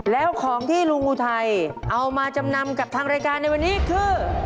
แล้วของที่ลุงอุทัยเอามาจำนำกับทางรายการในวันนี้คือ